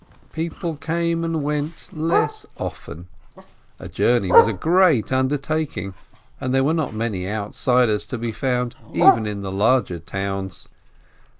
People came and went less often, a journey was a great undertaking, and there were not many outsiders to be found even in the larger towns.